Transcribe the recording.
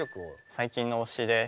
最近の推しです。